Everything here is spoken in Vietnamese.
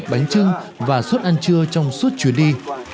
bánh chưng và suốt ăn trưa trong suốt chuyến đi